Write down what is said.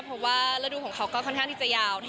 เพราะว่าฤดูของเขาก็ค่อนข้างที่จะยาว